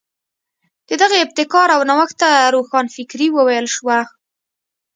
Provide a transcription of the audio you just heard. د دغې ابتکار او نوښت ته روښانفکري وویل شوه.